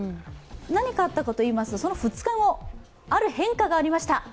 何かあったかといいますと、その２日後、ある変化がありました。